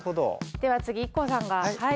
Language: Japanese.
では次ＩＫＫＯさんがはい。